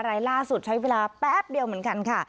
รายล่าสุดใช้เวลาแป๊บเดียวเหมือนกันค่ะ